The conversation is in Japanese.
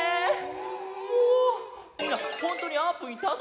もうみんなほんとにあーぷんいたの？